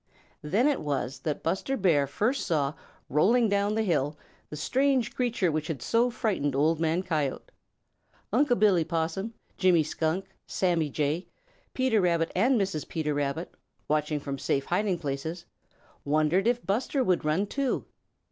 Then it was that Buster Bear first saw, rolling down the hill, the strange creature which had so frightened Old Man Coyote. Unc' Billy Possum, Jimmy Skunk, Sammy Jay, Peter Rabbit and Mrs. Peter, watching from safe hiding places, wondered if Buster would run too.